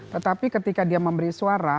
tetapi ketika dia memberi suara